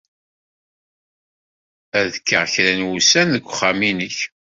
Ad kkeɣ kra n wussan deg uxxam-nnek.